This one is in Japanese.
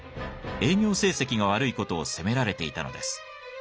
営業成績が悪い事を責められていたのです。